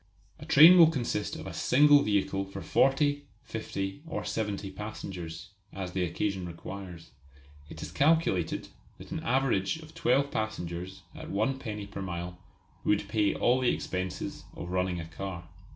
A train will consist of a single vehicle for forty, fifty, or seventy passengers, as the occasion requires. It is calculated that an average of twelve passengers at one penny per mile would pay all the expenses of running a car.